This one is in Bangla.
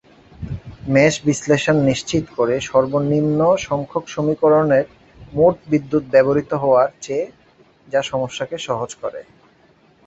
মেশ বিশ্লেষণ নিশ্চিত করে সর্বনিম্ন সংখ্যক সমীকরণের মোট বিদ্যুৎ ব্যবহৃত হওয়ার চেয়ে যা সমস্যাকে সহজ করে।